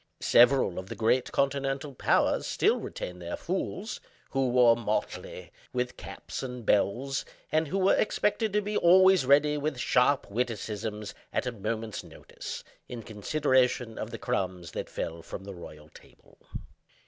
Several of the great continental "powers" still retain their "fools," who wore motley, with caps and bells, and who were expected to be always ready with sharp witticisms, at a moment's notice, in consideration of the crumbs that fell from the royal table.